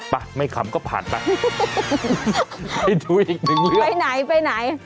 ไปไม่ขำก็ผ่านไปไปดูอีกหนึ่งเรื่องไปไหนไปไหน